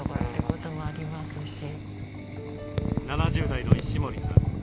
７０代の石森さん